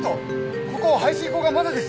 ここ排水溝がまだです！